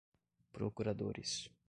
procuradores